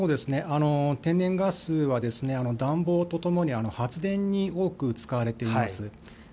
天然ガスは暖房とともに発電に多く使われています。